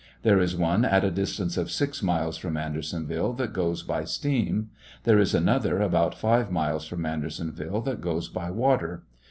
There is one at a distance of six miles from Andersonville that goes by steam. There is another about five miles from Andersonville that goes by water.